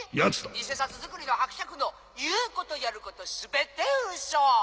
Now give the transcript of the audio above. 偽札づくりの伯爵の言うことやることすべてウソ！